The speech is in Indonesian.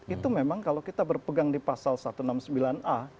itu memang kalau kita berpegang di pasal satu ratus enam puluh sembilan a